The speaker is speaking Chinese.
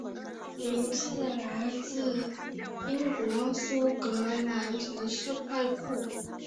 名字来自英国苏格兰城市快富。